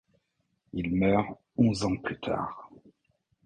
Il meurt onze ans plus tard.